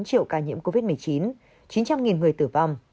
có bảy mươi sáu bốn triệu ca nhiễm covid một mươi chín chín trăm linh người tử vong